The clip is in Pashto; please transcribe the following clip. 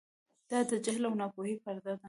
دا د جهل او ناپوهۍ پرده ده.